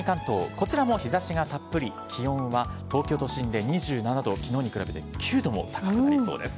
こちらも日ざしがたっぷり、気温は東京都心で２７度きのうに比べて９度も高くなりそうです。